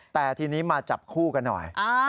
แต่ทีนี้มาจับคู่กันหน่อย